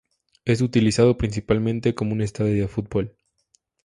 Es utilizado principalmente como un estadio de fútbol.